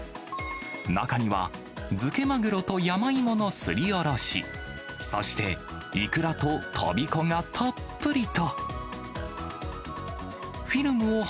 中には、漬けマグロと山芋のすりおろし、そしていくらととびこがたっぷりと。